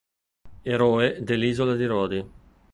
Eroe dell'isola di Rodi.